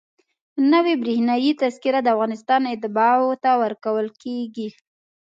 نوې برېښنایي تذکره د افغانستان اتباعو ته ورکول کېږي.